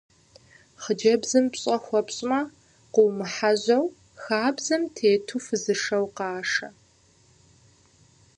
Хъыджэбзым пщӏэ хуэпщӏмэ, къыумыхьэжьэу, хабзэм тету фызышэу къашэ.